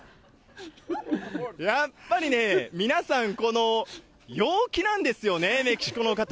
やっぱりね、皆さん、陽気なんですよね、メキシコの方。